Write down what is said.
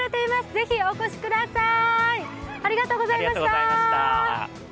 ぜひお越しください！